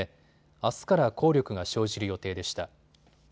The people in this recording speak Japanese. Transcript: あすから効力が生じる予定でした。